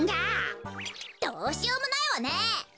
どうしようもないわね！